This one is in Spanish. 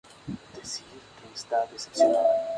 Pertenece a la saga Worms.